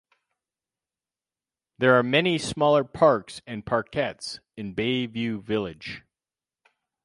There are many smaller parks and parkettes in Bayview Village.